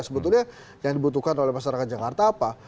sebetulnya yang dibutuhkan oleh masyarakat jakarta apa